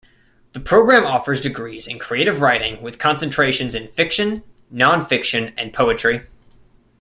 The program offers degrees in creative writing, with concentrations in fiction, non-fiction, and poetry.